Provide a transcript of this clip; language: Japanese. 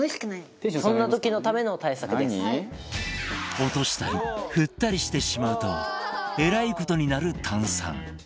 落としたり振ったりしてしまうとえらい事になる炭酸